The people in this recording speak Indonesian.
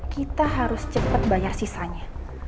kita harus cepat bayar sisanya